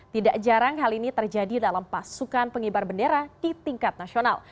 tidak jarang hal ini terjadi dalam pasukan pengibar bendera di tingkat nasional